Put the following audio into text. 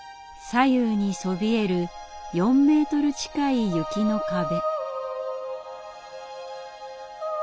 左右にそびえる４ｍ近い雪の壁。